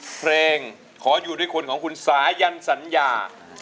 เพลงขออยู่ด้วยคนของคุณสายันสัญญา